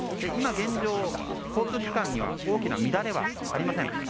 今現状、交通機関に大きな乱れはありません。